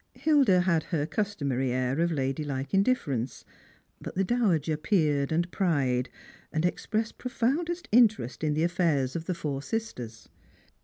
Hilda had her customary air of ladylike indiff'erence, but the dowager peered and pryed, and expressed profoundest interest in the afi'airs of the four sisters.